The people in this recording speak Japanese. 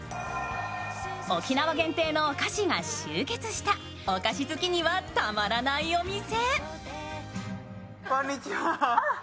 沖縄限定のお菓子が集結したお菓子好きにはたまらないお店。